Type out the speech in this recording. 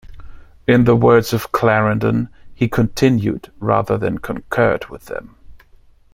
In the words of Clarendon, he continued rather than concurred with them.